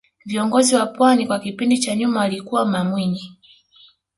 viongozi wa pwani kwa kipindi cha nyuma walikuwa mamwinyi